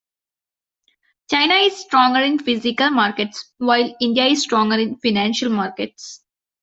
China is stronger in physical markets while India is stronger in financial markets.